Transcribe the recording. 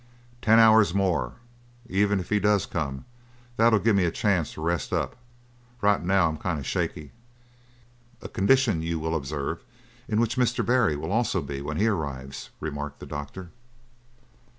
"Ten hours more, even if he does come. That'll give me a chance to rest up; right now I'm kind of shaky." "A condition, you will observe, in which Mr. Barry will also be when he arrives," remarked the doctor.